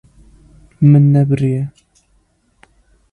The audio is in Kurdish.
Min nebiriye.